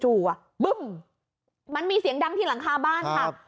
บึ้มมันมีเสียงดังที่หลังคาบ้านค่ะ